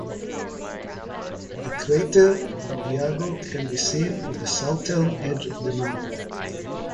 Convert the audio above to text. The crater Dubyago can be seen on the southern edge of the mare.